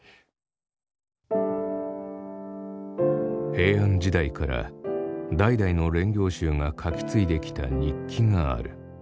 平安時代から代々の練行衆が書き継いできた日記がある。